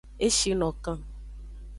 E shi no kan.